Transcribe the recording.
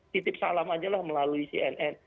titip salam ajalah melalui cnn